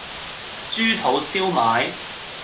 豬肚燒賣